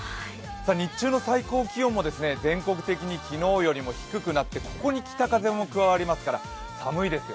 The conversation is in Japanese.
日中の最高気温も全国的に昨日よりも低くなってここに北風も加わりますから寒いですよ。